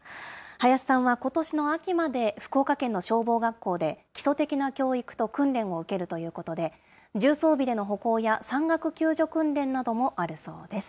林さんはことしの秋まで、福岡県の消防学校で基礎的な教育と訓練を受けるということで、重装備での歩行や山岳救助訓練などもあるそうです。